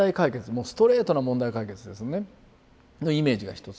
もうストレートな問題解決ですねのイメージが一つ。